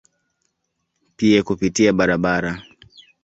Pia kupitia barabara.